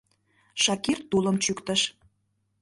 Шакир тулым чӱктыш.